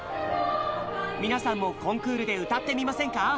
皆さんもコンクールで歌ってみませんか？